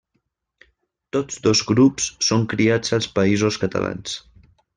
Tots dos grups són criats als Països Catalans.